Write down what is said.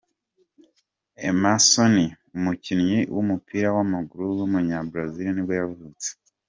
Edmílson, umukinnyi w’umupira w’amaguru w’umunya-Brazil nibwo yavutse.